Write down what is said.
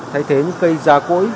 thay thế những cây già cỗi